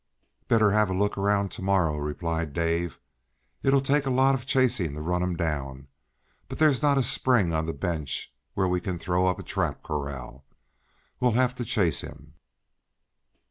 "Better have a look around to morrow," replied Dave. "It'll take a lot of chasing to run him down, but there's not a spring on the bench where we can throw up a trap corral. We'll have to chase him."